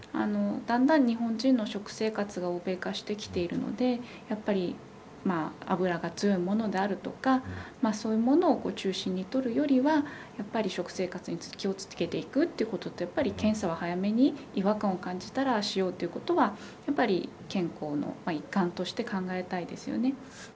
だんだん日本人の食生活が欧米化してきているのでやっぱり油が強いものであるとかそういうものを中心に取るよりは食生活に気をつけていくということで検査は早めに、違和感を感じたらしようということはやっぱり健康の一環として考えたいですよね。